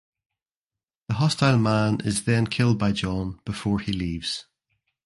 The hostile man is then killed by John before he leaves.